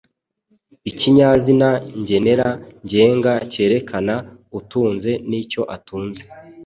Ikinyazina ngenera ngenga kerekana utunze n’icyo atunze.